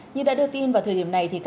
như đã đưa tin vào thời điểm này